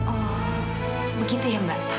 oh begitu ya mbak